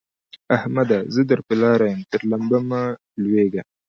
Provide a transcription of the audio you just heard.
احمده! زه در پر لاره يم؛ تر لمبه مه لوېږه.